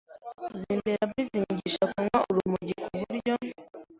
zimbera mbi zinyigisha kunywa urumogi ku buryo